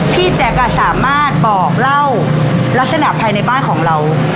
แจ๊กสามารถบอกเล่าลักษณะภายในบ้านของเรา